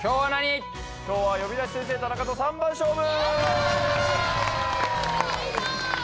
今日は『呼び出し先生タナカ』と三番勝負！